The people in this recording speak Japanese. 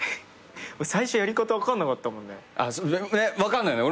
最初やり方分かんなかったもんね。